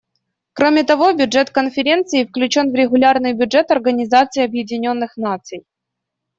Кроме того, бюджет Конференции включен в регулярный бюджет Организации Объединенных Наций.